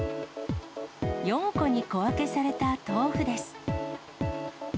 ４個に小分けされた豆腐です。